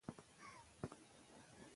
هغه د سرنوشت او ارادې په اړه لیکل کوي.